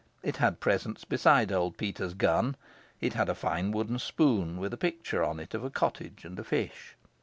It had presents besides old Peter's gun. It had a fine wooden spoon with a picture on it of a cottage and a fish.